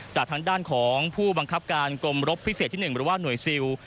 จากทางด้านของผู้บังคับการกรมรบพิเศษที่๑หรือว่าหน่วยซิล